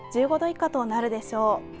１５度以下となるでしょう。